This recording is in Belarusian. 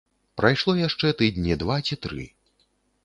Прайшло яшчэ тыдні два ці тры.